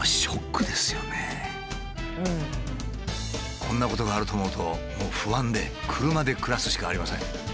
こんなことがあると思うともう不安で車で暮らすしかありません。